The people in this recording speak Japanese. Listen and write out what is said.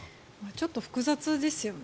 ちょっと複雑ですよね。